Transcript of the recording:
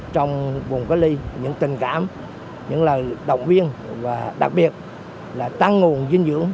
trong vùng cách ly những tình cảm những lời động viên và đặc biệt là tăng nguồn dinh dưỡng